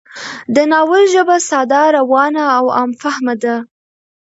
د ناول ژبه ساده، روانه او عام فهمه ده